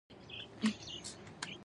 هیلۍ د خپلو بچو روزنه کوي